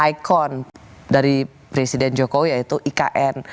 ikon dari presiden jokowi yaitu ikn